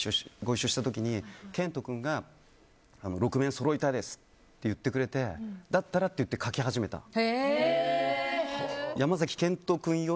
一緒した時に賢人君が６面そろえたいですって言ってくれてだったらと言って書き始めたの。